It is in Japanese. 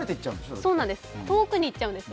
遠くに行っちゃうんです。